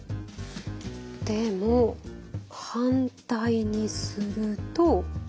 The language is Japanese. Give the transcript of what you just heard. でも反対にすると。